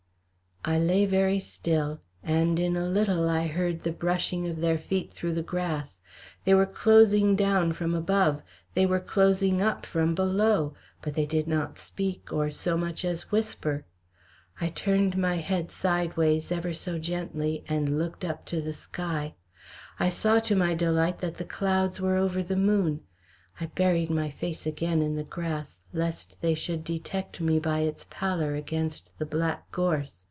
I lay very still, and in a little I heard the brushing of their feet through the grass. They were closing down from above, they were closing up from below; but they did not speak or so much as whisper. I turned my head sideways, ever so gently, and looked up to the sky. I saw to my delight that the clouds were over the moon. I buried my face again in the grass, lest they should detect me by its pallor against the black gorse.